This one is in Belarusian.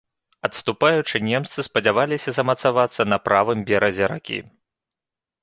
Адступаючы, немцы спадзяваліся замацавацца на правым беразе ракі.